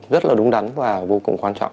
rất là đúng đắn và vô cùng quan trọng